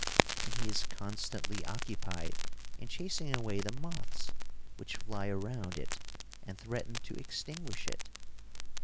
And he is constantly occupied in chasing away the moths which fly around it and threaten to extinguish it.